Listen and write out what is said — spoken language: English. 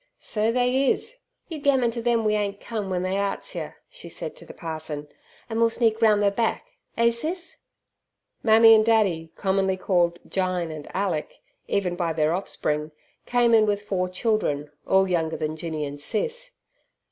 "So they is. You gammon ter them we ain't cum, w'en they arsts yer," she said to the parson, "an' we'll sneak roun' ther back. Eh, Sis?" Mammy and Daddy commonly called "Jyne" and "Alick" even by their offspring came in with four children, all younger than Jinny and Sis.